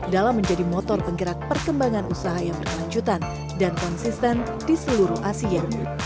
dalam menjadi motor penggerak perkembangan usaha yang berkelanjutan dan konsisten di seluruh asia